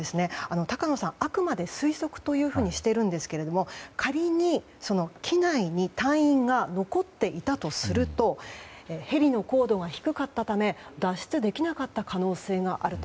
高野さん、あくまで推測としていますが仮に機内に隊員が残っていたとするとヘリの高度が低かったため脱出できなかった可能性があると。